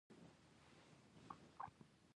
وحشي حیوانات د افغانستان د ځایي اقتصادونو بنسټ دی.